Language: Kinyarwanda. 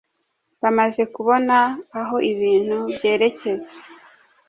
Bamaze kubona aho ibintu byerekezaga,